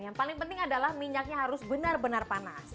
yang paling penting adalah minyaknya harus benar benar panas